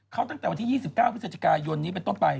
เขาตั้งแต่วันที่๒๙พฤศจิกายนนี้เป็นต้นไป